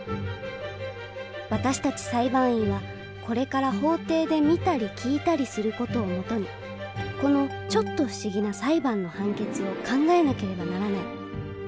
私たち裁判員はこれから法廷で見たり聞いたりする事を基にこのちょっと不思議な裁判の判決を考えなければならない。